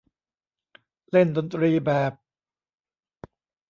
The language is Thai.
เล่นดนตรีแบบ